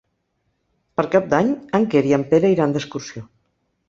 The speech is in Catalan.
Per Cap d'Any en Quer i en Pere iran d'excursió.